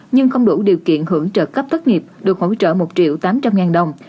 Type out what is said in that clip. nhưng không đủ điều kiện hưởng trợ cấp thất nghiệp được hỗ trợ một triệu tám trăm linh ngàn đồng